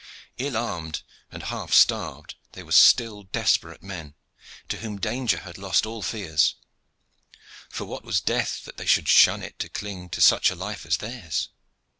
Ill armed and half starved, they were still desperate men, to whom danger had lost all fears: for what was death that they should shun it to cling to such a life as theirs?